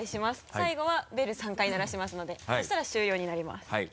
最後はベル３回鳴らしますのでそうしたら終了になります。